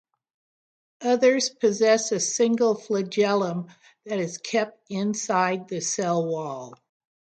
Others possess a single flagellum that is kept inside the cell wall.